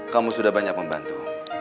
kamu sudah banyak membantu